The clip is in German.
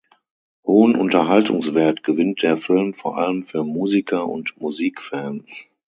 Hohen Unterhaltungswert gewinnt der Film vor allem für Musiker und Musikfans.